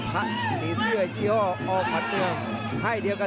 กระโดยสิ้งเล็กนี่ออกกันขาสันเหมือนกันครับ